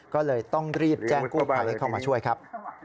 ก็เลยต้องรีบแจ้งกู้ภัยให้เข้ามาช่วยครับ